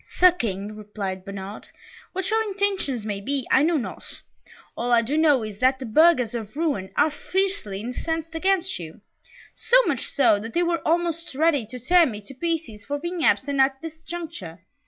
"Sir King," replied Bernard, "what your intentions may be, I know not. All I do know is, that the burghers of Rouen are fiercely incensed against you so much so, that they were almost ready to tear me to pieces for being absent at this juncture.